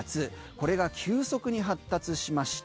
これが急速に発達しました。